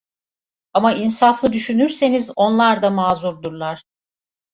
Ama insaflı düşünürseniz onlar da mazurdurlar.